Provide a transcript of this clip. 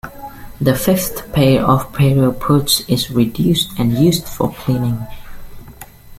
The fifth pair of pereiopods is reduced and used for cleaning.